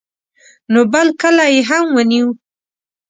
نو بل کلی یې هم ونیو.